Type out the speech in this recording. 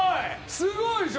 すごいでしょ？